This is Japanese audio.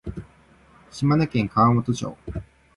島根県川本町